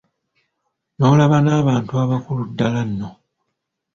N’olaba n’abantu abakulu ddala nno!